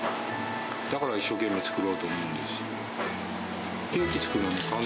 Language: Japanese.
だから一生懸命作ろうと思うんです。